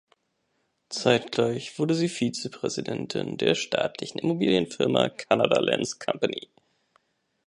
Zeitgleich wurde sie Vizepräsidentin der staatlichen Immobilienfirma Canada Lands Company.